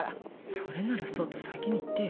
それならそうと先に言ってよ。